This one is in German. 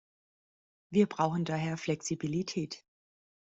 Wir brauchen daher Flexibilität.